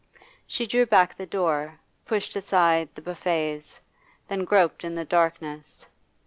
She drew back the door, pushed aside the buffets, then groped in the darkness.